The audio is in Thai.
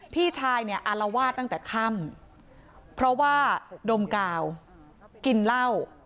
พี่ชายเนี่ยอารวาสตั้งแต่ค่ำเพราะว่าดมกาวกินเหล้า